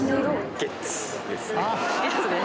ゲッツです。